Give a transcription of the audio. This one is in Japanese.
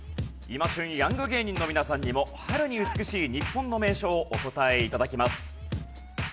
今旬ヤング芸人の皆さんにも春に美しい日本の名所をお答え頂きます。